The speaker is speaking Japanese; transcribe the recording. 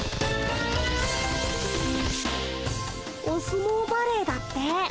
お相撲バレエだって。